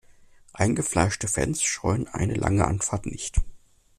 Eingefleischte Fans scheuen eine lange Anfahrt nicht.